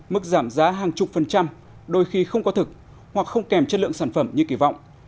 mức giảm giá hàng chục phần trăm đôi khi không có thực hoặc không kèm chất lượng sản phẩm như kỳ vọng